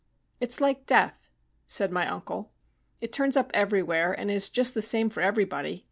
"It's like death," said my uncle; "it turns up everywhere and is just the same for everybody.